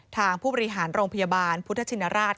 ทางผู้บริหารโรงพยาบาลพุทธชินราช